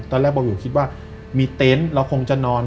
ตอนแรกบอกอยู่คิดว่ามีเต็นต์เราคงจะนอน